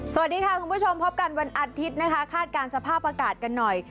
สวัสดีค่ะคุณผู้ชมพบกันวันอาทิตย์นะคะคาดการณ์สภาพอากาศกันหน่อย